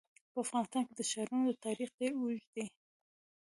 په افغانستان کې د ښارونو تاریخ ډېر اوږد دی.